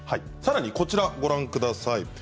さらに、こちらをご覧ください。